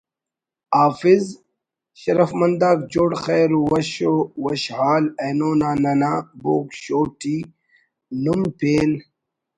حافظ ٭ شرفمندآک جوڑ خیر وش وشحال اینو نا ننا”بوگ شو“ ٹی نم پین